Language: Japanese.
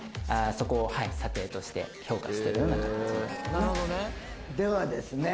そこを査定として評価してるような形になっていますではですね